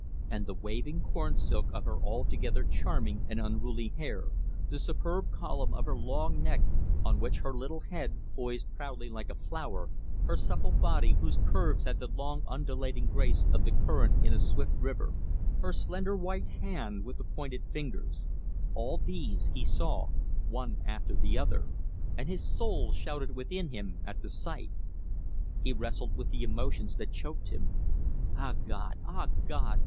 And the waving corn silk of her altogether charming and unruly hair, the superb column of her long neck on which her little head poised proudly like a flower, her supple body, whose curves had the long undulating grace of the current in a swift river, her slender white hand with the pointed fingers all these he saw one after the other, and his soul shouted within him at the sight. He wrestled with the emotions that choked him. "Ah, God! Ah, God!"